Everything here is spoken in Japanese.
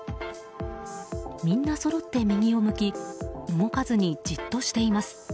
みんなそろって右を向き動かずにじっとしています。